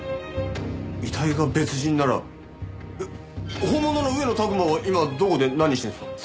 遺体が別人なら本物の上野拓馬は今どこで何してるんですか？